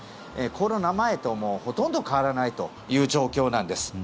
コロナ前とほとんど変わらないという状況なんです。